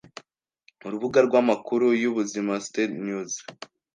Urubuga rw'amakuru y'ubuzima, Stat News,